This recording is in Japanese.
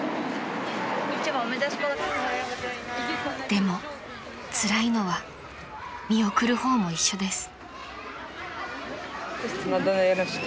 ［でもつらいのは見送る方も一緒です］